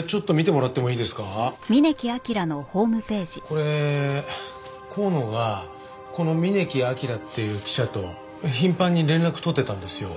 これ香野がこの峯木明っていう記者と頻繁に連絡取ってたんですよ。